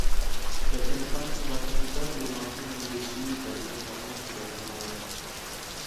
barisan depan kesebelasan kita belum mampu menembusi barisan belakang kesebelasan lawan